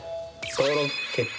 登録決定！